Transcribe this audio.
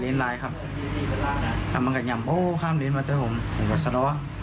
เลนส์ลายครับแล้วมันกระย่ำโอ้ข้ามเลนส์มาเต้อผมผมกับสล้อ